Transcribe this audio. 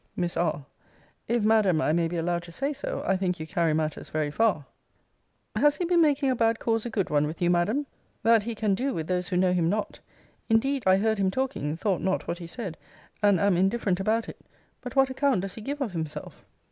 Miss R. If, Madam, I may be allowed to say so, I think you carry matters very far. Cl. Has he been making a bad cause a good one with you, Madam? That he can do with those who know him not. Indeed I heard him talking, thought not what he said, and am indifferent about it. But what account does he give of himself?